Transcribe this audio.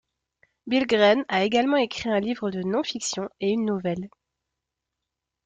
Billgren a également écrit un livre de non-fiction et une nouvelle.